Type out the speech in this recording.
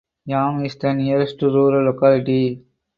Yam is the nearest rural locality.